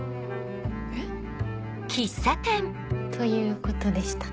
えっ？ということでした。